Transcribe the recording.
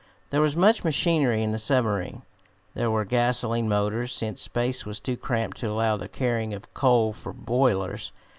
There was much machinery in the submarine. There were gasolene motors, since space was too cramped to allow the carrying of coal for boilers.